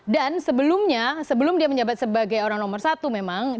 dan sebelumnya sebelum dia menjabat sebagai orang nomor satu memang